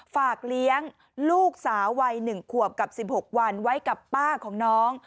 ฝากเลี้ยงลูกสาววัย๑ขวบกับ๑๖วันไว้กับป้าของน้อง